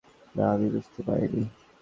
না, আমি বুঝতে পারিনি।